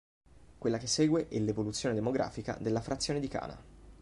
Quella che segue è l'evoluzione demografica della frazione di Cana.